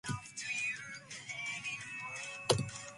Baseball has also inspired the creation of new cultural forms.